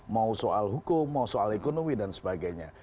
mau soal hukum mau soal ekonomi dan sebagainya